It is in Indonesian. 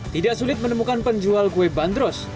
tidak sulit menemukan penjual kue bandros